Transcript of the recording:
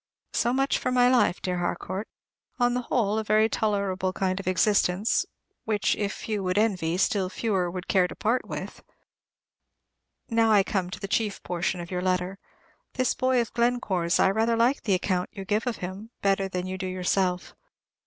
So much for my life, dear Harcourt; on the whole, a very tolerable kind of existence, which if few would envy, still fewer would care to part with. I now come to the chief portion of your letter. This boy of Glencore's, I rather like the account you give of him, better than you do yourself.